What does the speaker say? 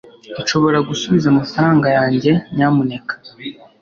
nshobora gusubiza amafaranga yanjye, nyamuneka